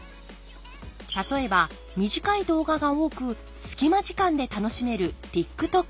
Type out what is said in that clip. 例えば短い動画が多く隙間時間で楽しめるＴｉｋＴｏｋ。